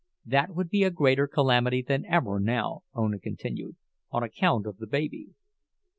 That would be a greater calamity than ever now, Ona continued, on account of the baby.